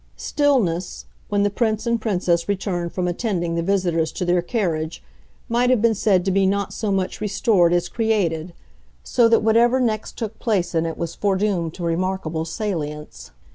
Stillness, when the Prince and Princess returned from attending the visitors to their carriage, might have been said to be not so much restored as created; so that whatever next took place in it was foredoomed to remarkable salience.